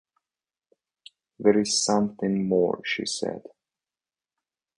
"There is something more," she said.